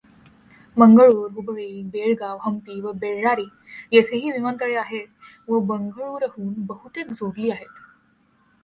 मंगळूर, हुबळी, बेळगाव, हंपी व बेळ्ळारी येथेही विमानतळे आहे व बंगळूरहून बहुतेक जोडली आहेत.